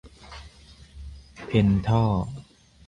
เพ็นท่อ